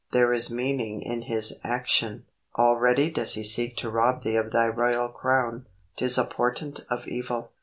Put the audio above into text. There is meaning in his action. Already does he seek to rob thee of thy royal crown. 'Tis a portent of evil."